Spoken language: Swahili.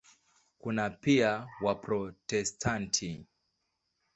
Kuna pia Waprotestanti.